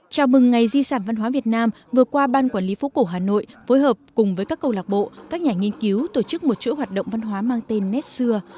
chào mừng ngày di sản văn hóa việt nam vừa qua ban quản lý phố cổ hà nội phối hợp cùng với các câu lạc bộ các nhà nghiên cứu tổ chức một chỗ hoạt động văn hóa mang tên nét xưa